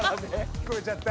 聞こえちゃった。